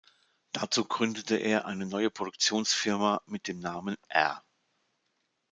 Dazu gründete er eine neue Produktionsfirma mit dem Namen „R.